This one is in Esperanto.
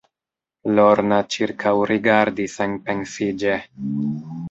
Lorna ĉirkaŭrigardis enpensiĝe.